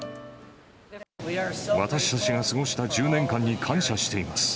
私たちが過ごした１０年間に感謝しています。